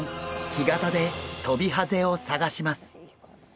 干潟でトビハゼを探します。